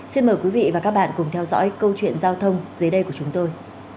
xin mời quý vị và các bạn cùng theo dõi câu chuyện giao thông dưới đây của chúng tôi